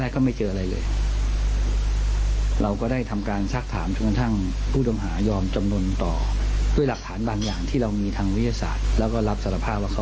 ก็รับสารภาพว่าเขาเป็นคนใคร